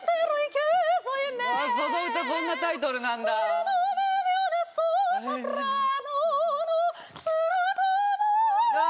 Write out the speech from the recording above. その歌そんなタイトルなんだうわ